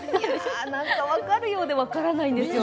分かるようで分からないんですよね。